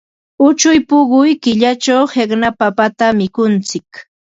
Uchik puquy killachaq qiqna papatam mikuntsik.